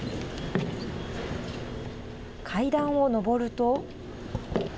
階段を上ると。